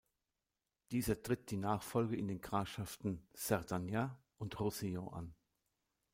Dieser tritt die Nachfolge in den Grafschaften Cerdanya und Roussillon an.